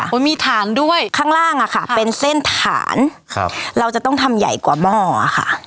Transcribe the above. มีฐานด้วยข้างล่างอะค่ะเป็นเส้นฐานครับเราจะต้องทำใหญ่กว่าหม้ออะค่ะ